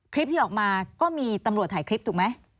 คลิปที่ออกมาก็มีตำรวจถ่ายคลิปถูกไหม